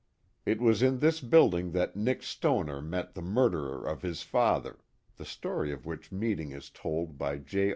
It was in this building that Nick Stoner met the murderer of his father, the story of which meeting is told by J.